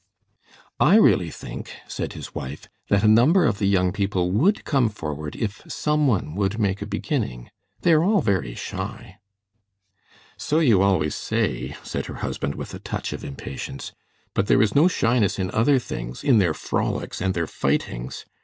"I really think," said his wife, "that a number of the young people would 'come forward' if some one would make a beginning. They are all very shy." "So you always say," said her husband, with a touch of impatience; "but there is no shyness in other things, in their frolics and their fightings.